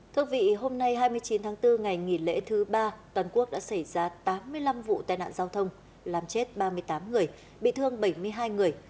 thưa quý vị hôm nay hai mươi chín tháng bốn ngày nghỉ lễ thứ ba toàn quốc đã xảy ra tám mươi năm vụ tai nạn giao thông làm chết ba mươi tám người bị thương bảy mươi hai người